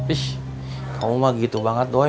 ih kamu mah gitu banget doi